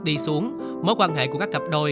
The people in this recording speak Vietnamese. đi xuống mối quan hệ của các cặp đôi